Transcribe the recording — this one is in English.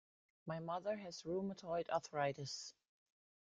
My mother has rheumatoid arthritis.